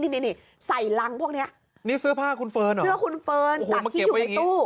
นี่เสื้อผ้าของคุณเฟิร์นเหรอมาเก็บไว้อย่างนี้เสื้อคุณเฟิร์นจากที่อยู่ในตู้